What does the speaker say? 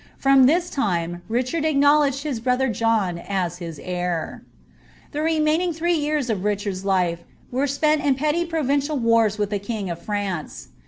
From this time Richard acknowledged his brother John as his heir. The remaining three years of Richard's life were spent in petty pro vincial wars with the king of France.